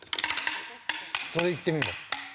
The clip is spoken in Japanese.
それいってみよう。